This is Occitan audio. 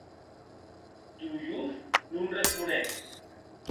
Dolojov non responec.